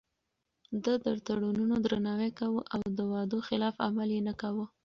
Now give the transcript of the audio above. ده د تړونونو درناوی کاوه او د وعدو خلاف عمل يې نه کاوه.